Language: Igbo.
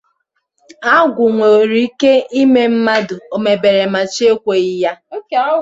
Agwụ nwekwara ike ime mmadụ 'omebere ma chi ekweghị ya